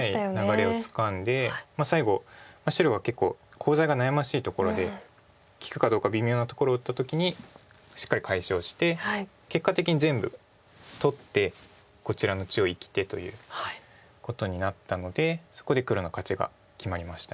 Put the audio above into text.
流れをつかんで最後白が結構コウ材が悩ましいところで利くかどうか微妙なところを打った時にしっかり解消して結果的に全部取ってこちらの中央生きてということになったのでそこで黒の勝ちが決まりました。